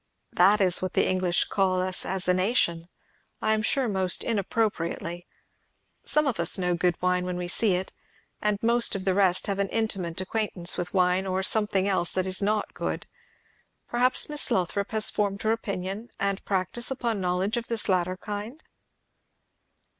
"That is what the English call us as a nation, I am sure most inappropriately. Some of us know good wine when we see it; and most of the rest have an intimate acquain'tance with wine or some thing else that is not good. Perhaps Miss Lothrop has formed her opinion, and practice, upon knowledge of this latter kind?"